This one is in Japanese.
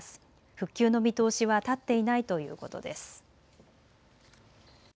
復旧の見通しは立っていないということです。